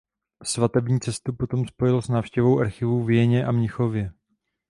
Svatební cestu potom spojil s návštěvou archivů v Jeně a Mnichově.